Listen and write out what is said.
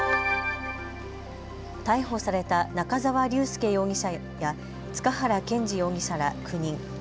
逮捕された中澤隆亮容疑者や塚原謙司容疑者ら９人。